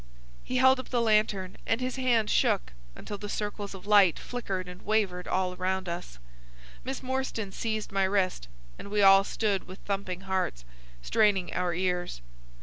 He held up the lantern, and his hand shook until the circles of light flickered and wavered all round us. Miss Morstan seized my wrist, and we all stood with thumping hearts, straining our ears.